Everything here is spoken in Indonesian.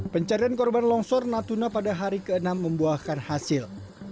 pencarian korban longsor natuna pada hari ke enam membuahkan hasil